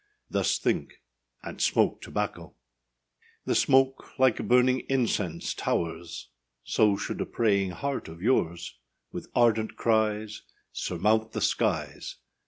Thus think, and smoke tobacco. The smoke, like burning incense, towers, So should a praying heart of yours, With ardent cries, Surmount the skies.